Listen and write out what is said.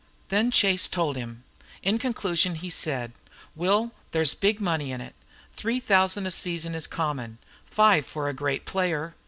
Then Chase told him. In conclusion he said: "Will, there's big money in it. Three thousand a season is common, five for a great player.